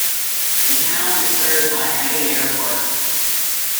The town is served by Ati Airport.